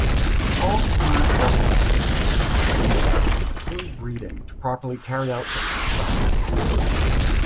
All parent organisms must be true breeding to properly carry out such an experiment.